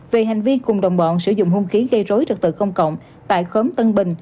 về hành vi cùng đồng bọn sử dụng hung khí gây rối trật tự công cộng tại khóm tân bình